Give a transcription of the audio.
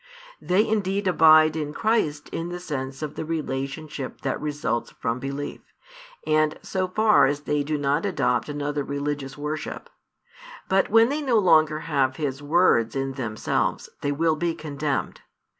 They indeed abide in Christ in the sense of the relationship that results from belief, and so far as they do not adopt another religious worship; but when they no longer have His words in themselves they will be condemned.